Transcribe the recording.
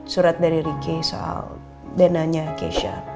surat dari riki soal denanya keisha